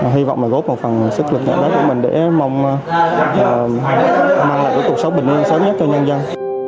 hi vọng là góp một phần sức lực của mình để mong mang lại cuộc sống bình yên sớm nhất cho nhân dân